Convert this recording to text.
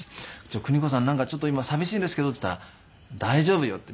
「邦子さんなんかちょっと今寂しいんですけど」って言ったら「大丈夫よ」って。